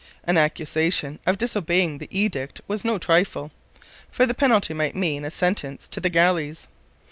An accusation of disobeying the edict was no trifle, for the penalty might mean a sentence to the galleys.